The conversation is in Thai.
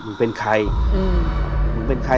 มึงเป็นใคร